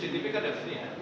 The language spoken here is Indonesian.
cctv kan ada di sini ya